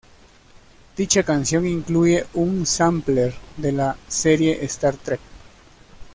Dicha canción incluye un sampler de la serie "Star Trek".